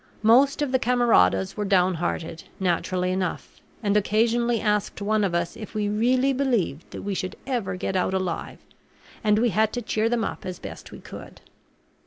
Most of the camaradas were downhearted, naturally enough, and occasionally asked one of us if we really believed that we should ever get out alive; and we had to cheer them up as best we could.